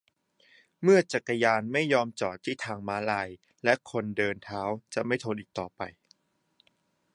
เมื่อจักรยานไม่ยอมจอดที่ทางม้าลาย และคนเดินเท้าจะไม่ทนอีกต่อไป !